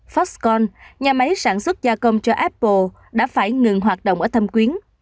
foxcon nhà máy sản xuất gia công cho apple đã phải ngừng hoạt động ở thâm quyến